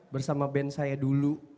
bersama band saya dulu